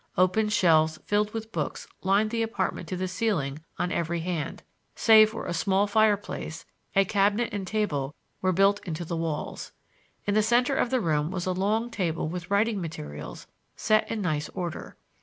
Open shelves filled with books lined the apartment to the ceiling on every hand, save where a small fireplace, a cabinet and table were built into the walls. In the center of the room was a long table with writing materials set in nice order.